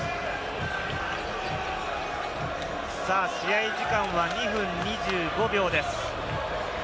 試合時間は２分２５秒です。